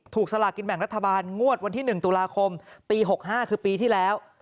สลากินแบ่งรัฐบาลงวดวันที่๑ตุลาคมปี๖๕คือปีที่แล้ว